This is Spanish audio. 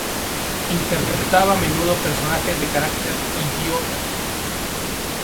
Interpretaba a menudo personajes de carácter "idiota".